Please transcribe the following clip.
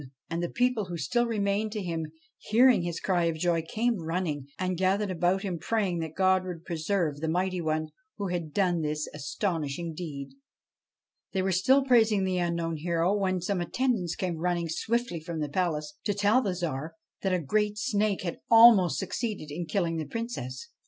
And the people, who still remained to him, hearing his cry of joy, came running, and gathered about him, praying that God would preserve the mighty one who had done this astonishing deed. They were still praising the unknown hero, when some attendants came running swiftly from the palace, to tell the Tsar that a great snake had almost succeeded in killing the Princess.